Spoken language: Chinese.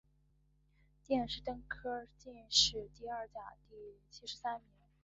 殿试登进士第二甲第七十三名。